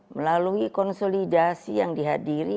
melalui konsolidasi yang dihadiri